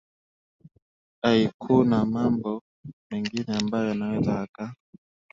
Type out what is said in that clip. i kuna mambo mengine ambayo yanaweza yaka